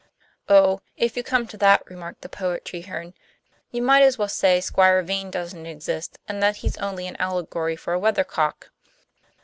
"Oh, if you come to that," remarked the poet Treherne, "you might as well say Squire Vane doesn't exist, and that he's only an allegory for a weathercock."